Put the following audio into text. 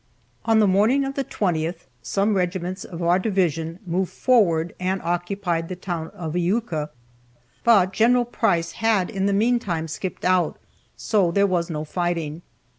On the morning of the 20th some regiments of our division moved forward and occupied the town of Iuka, but Gen. Price had in the meantime skipped out, so there was no fighting.